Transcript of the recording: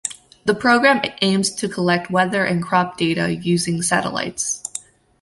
The program aims to collect weather and crop data using satellites.